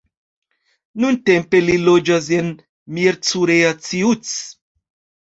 Nuntempe li loĝas en Miercurea Ciuc.